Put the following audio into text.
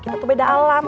kita tuh beda alam